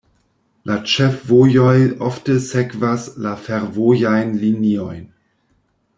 La ĉefvojoj ofte sekvas la fervojajn liniojn.